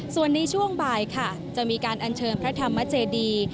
ส่วนในช่วงบ่ายค่ะจะมีการอัญเชิญพระธรรมเจดี